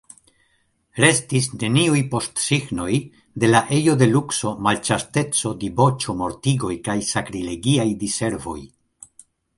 Restis neniuj postsignoj de la ejo de lukso, malĉasteco, diboĉo, mortigoj kaj sakrilegiaj diservoj.